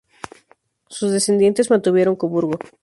Sus descendientes mantuvieron Coburgo.